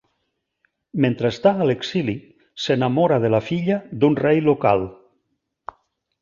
Mentre està a l'exili, s'enamora de la filla d'un rei local.